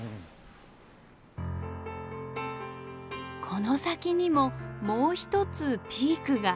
この先にももう一つピークが。